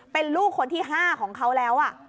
เป็นลูกคนที่๕ของเขาแล้ว